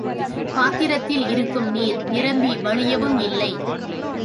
பாத்திரத்தில் இருக்கும் நீர் நிரம்பி வழியவும் இல்லை.